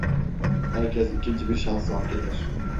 Herkes ikinci bir şansı hak eder.